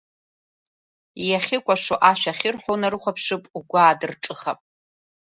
Иахьыкәашо, ашәа ахьырҳәо унарыхәаԥшып, угәы аадырҿыхап…